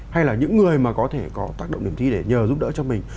hay là những người mà có thể có tác động điểm thi để nhờ giúp đỡ cho mình